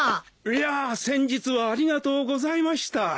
いやあ先日はありがとうございました。